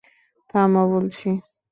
থামো বলছি!